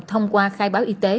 thông qua khai báo y tế